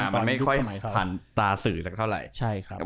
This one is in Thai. มันไม่ค่อยผ่านตาสื่อสักเท่าไหร่